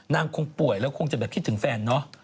คงป่วยแล้วคงจะแบบคิดถึงแฟนเนอะ